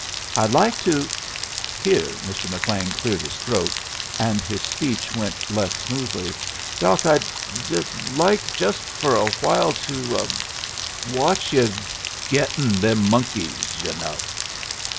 I'd like to " Here Mr. McLean cleared his throat, and his speech went less smoothly. "Doc, I'd like just for a while to watch yu' gettin' them monkeys, yu' know."